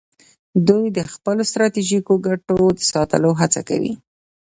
دوی د خپلو ستراتیژیکو ګټو د ساتلو هڅه کوي